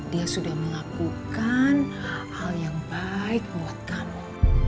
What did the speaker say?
dia sudah melakukan hal hal yang baik buat kamu